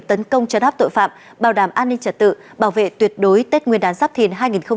tấn công chấn áp tội phạm bảo đảm an ninh trật tự bảo vệ tuyệt đối tết nguyên đán giáp thìn hai nghìn hai mươi bốn